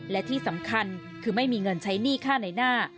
และที่สำคัญคือไม่มีเงินใช้หนี้ค่าในหน้า